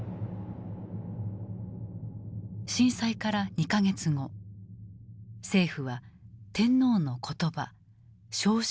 震災から２か月後政府は天皇の言葉詔書を発表する。